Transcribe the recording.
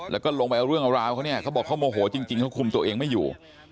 แล้วก็ลงไปเอาเรื่องเอาราวเขาเนี่ยเขาบอกเขาโมโหจริงเขาคุมตัวเองไม่อยู่